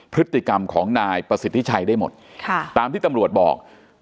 พฤติกรรมของนายประสิทธิชัยได้หมดตามที่ตำรวจบอก